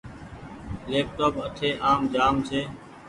ليپ ٽوپ اٺي آم جآ م ڇي۔